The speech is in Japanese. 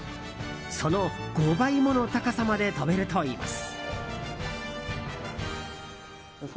その５倍もの高さまで飛べるといいます。